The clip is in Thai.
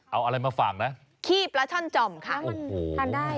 เอาอะไรมาฝากนะขี้ปลาช่อนจ่อมค่ะทานได้